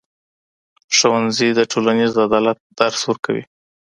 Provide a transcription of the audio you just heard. ښوونځی د ټولنیز عدالت درس ورکوي.